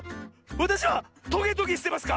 わたしはトゲトゲしてますか？